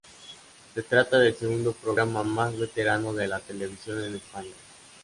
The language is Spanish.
Se trata del segundo programa más veterano de la televisión en España.